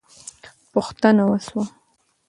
پوښتنه وسوه.